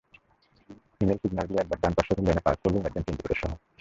হিমেল signal দিয়ে একেবারে ডান পাশের লেনে পার্ক করল ইমার্জেন্সি ইন্ডিকেটরসহ।